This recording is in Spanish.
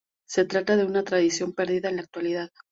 Se trata de una tradición perdida en la actualidad.